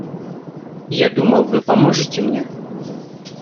Я думал, Вы поможете мне.